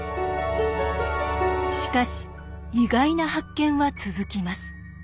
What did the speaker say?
しかし意外な発見は続きます。